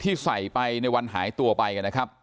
ที่ใส่ไปในวันหายตัวไปนะครับ